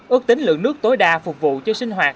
ước tính lượng nước tối đa phục vụ cho sinh hoạt